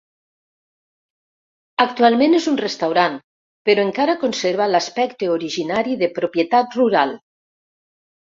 Actualment és un restaurant, però encara conserva l'aspecte originari de propietat rural.